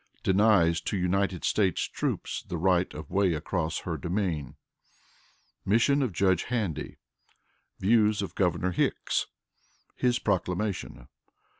Denies to United States Troops the Right of Way across her Domain. Mission of Judge Handy. Views of Governor Hicks. His Proclamation.